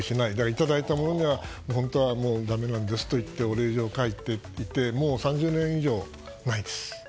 いただいたものも本当はもうだめなんですと言ってお礼状を書いていてもう３０年以上、ないんです。